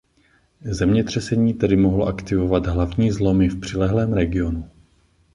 Zemětřesení tedy mohlo aktivovat hlavní zlomy v přilehlém regionu.